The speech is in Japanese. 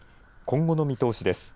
今後の見通しです。